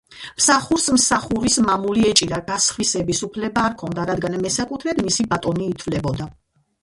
მსახურს „მსახურის მამული“ ეჭირა, გასხვისების უფლება არ ჰქონდა, რადგან მესაკუთრედ მისი ბატონი ითვლებოდა.